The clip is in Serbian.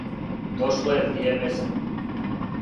Дошло је вријеме за то.